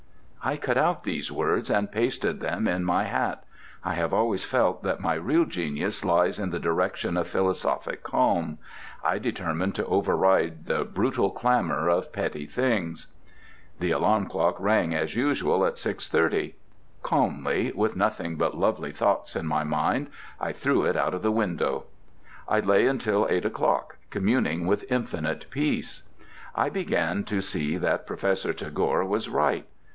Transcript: I cut out these words and pasted them in my hat. I have always felt that my real genius lies in the direction of philosophic calm. I determined to override the brutal clamour of petty things. The alarm clock rang as usual at 6.30. Calmly, with nothing but lovely thoughts in my mind, I threw it out of the window. I lay until eight o'clock, communing with infinite peace. I began to see that Professor Tagore was right.